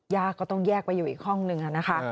ยากก็ต้องแยกไปอยู่อีกห้องหนึ่งนะคะ